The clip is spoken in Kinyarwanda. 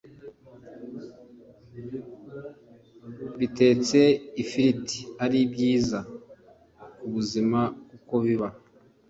bitetse ifiriti ari byiza ku buzima kuko biba